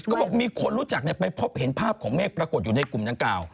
ก็บอกมีคนรู้จักไปพบเห็นภาพของเมฆปรากฏอยู่ในกลุ่มดังกล่าว